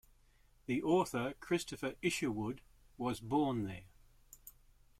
The author Christopher Isherwood was born there.